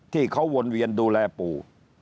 ที่เขาวนเวียนดูแลปู่